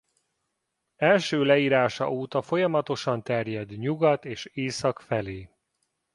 Első leírása óta folyamatosan terjed nyugat és észak felé.